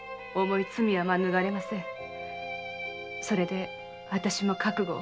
それで私も覚悟を。